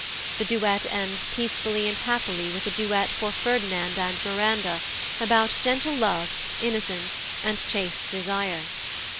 The duet ends peacefully and happily with a duet for Ferdinand and Miranda about "gentle love, innocence, and chaste desire."